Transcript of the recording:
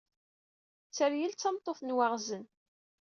Tteryel d tameṭṭut n waɣzen.